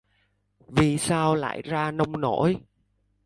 vì sao lại ra nông nỗi